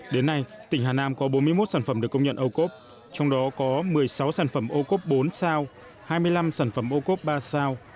đến nay tỉnh hà nam có bốn mươi một sản phẩm được công nhận ocov trong đó có một mươi sáu sản phẩm ocov bốn sao hai mươi năm sản phẩm ocov ba sao